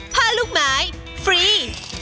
ผ้าลูกไม้ฟรี